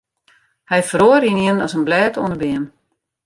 Hy feroare ynienen as in blêd oan 'e beam.